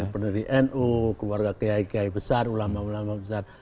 pendiri nu keluarga kehai kehai besar ulama ulama besar